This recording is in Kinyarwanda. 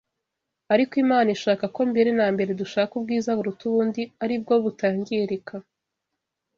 ariko Imana ishaka ko mbere na mbere dushaka ubwiza buruta ubundi ari bwo butangirika